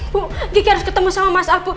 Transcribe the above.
bu gigi harus ketemu sama mas apu